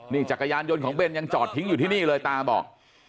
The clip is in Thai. นี่จักรยานยนต์ของเบนยังจอดทิ้งอยู่ที่นี่เลยตาบอก